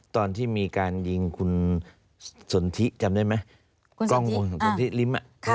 ตอนที่มีการยิงคุณสนทิจำได้ไหม